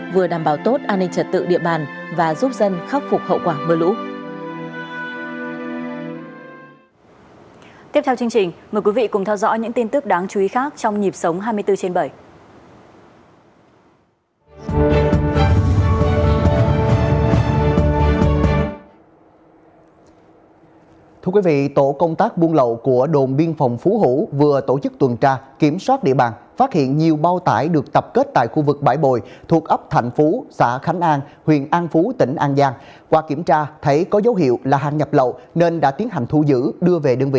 vừa đảm bảo tốt an ninh trật tự địa bàn và giúp dân khắc phục hậu quả mưa lũ